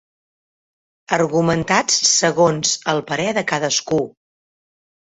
Argumentats segons el parer de cadascú.